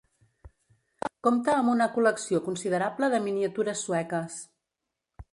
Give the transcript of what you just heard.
Compta amb una col·lecció considerable de miniatures sueques.